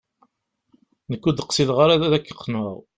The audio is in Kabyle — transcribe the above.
Nekk ur d-qqsideɣ ara ad ak-qqneɣ.